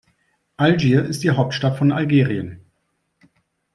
Algier ist die Hauptstadt von Algerien.